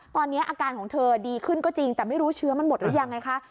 ตอนนี้อาการของเธอดีขึ้นก็จริงแต่ไม่รู้เชื้อมันหมดหรือยังไงคะ